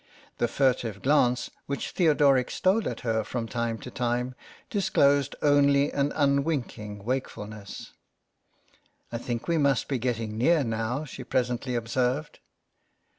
The furtive glance which Theodoric stole at her from time THE MOUSE 123 to time disclosed only an unwinking wake fulness. " I think we must be getting near now," she presently observed.